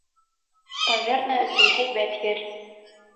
Таверна өсөн һәйбәт ер.